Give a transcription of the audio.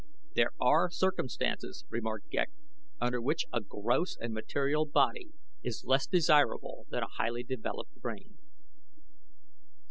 "There are circumstances," remarked Ghek, "under which a gross and material body is less desirable than a highly developed brain."